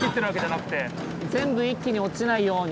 全部一気に落ちないように。